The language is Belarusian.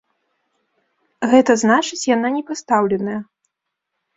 Гэта значыць, яна не пастаўленая.